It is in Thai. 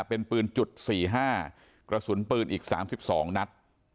เป็นปืนจุดสี่ห้ากระสุนปืนอีกสามสิบสองนัด